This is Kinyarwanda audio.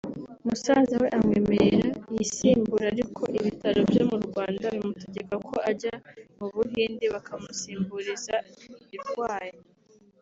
musaza we amwemerera iyisimbura ariko ibitaro byo mu Rwanda bimutegeka ko ajya mu Buhinde bakamusimburiza irwaye